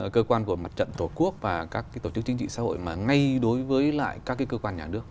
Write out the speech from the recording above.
cơ quan của mặt trận tổ quốc và các tổ chức chính trị xã hội mà ngay đối với lại các cơ quan nhà nước